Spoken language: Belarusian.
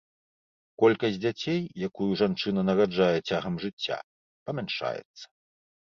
Колькасць дзяцей, якую жанчына нараджае цягам жыцця, памяншаецца.